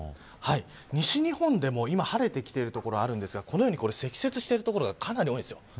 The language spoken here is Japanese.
西日本でも今、晴れてきている所あるんですがこのように積雪している所がかなり多いんです。